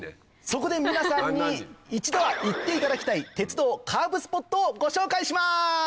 そこで皆さんに一度は行っていただきたい鉄道カーブスポットをご紹介します！